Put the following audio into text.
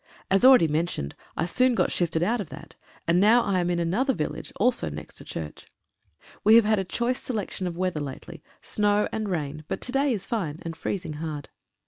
As already mentioned, I soon got shifted out of that, and now I am in another village, also next a church. We have had a choice selection of wea ther lately — snow and rain, but to day is fine, and freez ing hard.